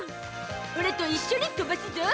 「オラと一緒に飛ばすゾ！」